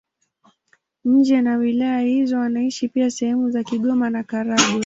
Nje na wilaya hizo wanaishi pia sehemu za Kigoma na Karagwe.